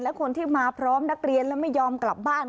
และคนที่มาพร้อมนักเรียนแล้วไม่ยอมกลับบ้าน